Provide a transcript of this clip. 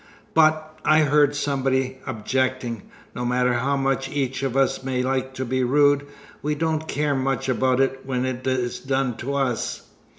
"But," I hear somebody objecting, "no matter how much each of us may like to be rude, we don't care much about it when it is done to us.